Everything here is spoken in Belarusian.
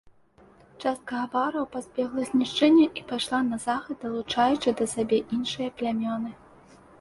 Частка авараў пазбегла знішчэння і пайшла на захад, далучаючы да сабе іншыя плямёны.